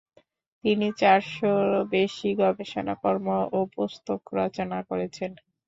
তিনি চারশ'রও বেশি গবেষণা কর্ম ও পুস্তক রচনা করেছেন।